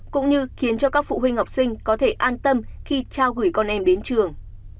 cũng như khiến cho các phụ huynh học sinh có thể an tâm khi trao gửi con em đến trường